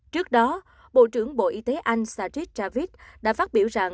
trước đó bộ trưởng bộ y tế anh sajid javid đã phát biểu rằng